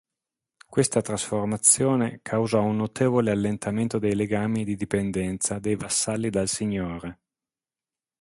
Questa trasformazione causò un notevole allentamento dei legami di dipendenza dei vassalli dal signore.